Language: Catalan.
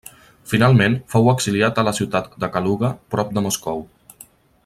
Finalment fou exiliat a la ciutat de Kaluga, prop de Moscou.